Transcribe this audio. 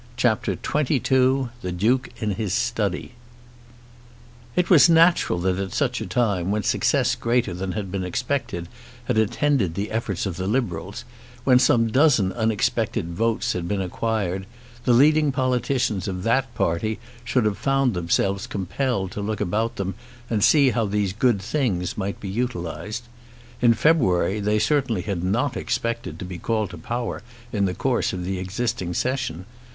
CHAPTER XXII The Duke in His Study It was natural that at such a time, when success greater than had been expected had attended the efforts of the Liberals, when some dozen unexpected votes had been acquired, the leading politicians of that party should have found themselves compelled to look about them and see how these good things might be utilised. In February they certainly had not expected to be called to power in the course of the existing Session.